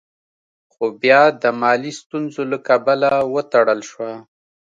خو بيا د مالي ستونزو له کبله وتړل شوه.